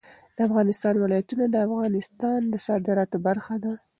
د افغانستان ولايتونه د افغانستان د صادراتو برخه ده.